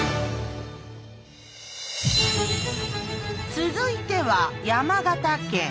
続いては山形県。